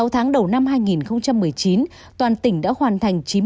sáu tháng đầu năm hai nghìn một mươi chín toàn tỉnh đã hoàn thành